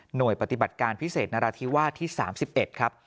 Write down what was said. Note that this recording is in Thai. หน่วยปฏิบัติการพิเศษนรษฐีวาสที่๓๑ครับ